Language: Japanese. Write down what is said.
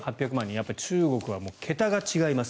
やっぱり中国は桁が違います。